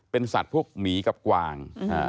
เป็นสัตว์พวกหมีกับกวาง